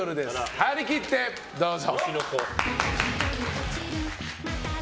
張り切ってどうぞ！